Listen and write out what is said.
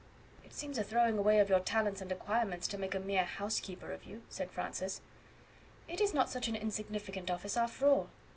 "It seems a throwing away of your talents and acquirements, to make a mere housekeeper of you," said Francis. "It is not such an insignificant office after all.